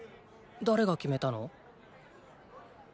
だれが決めたの。